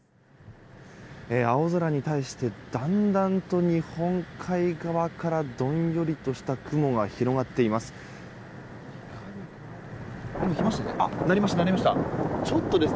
青空に対してだんだんと日本海側からどんよりとした雲が広がっています。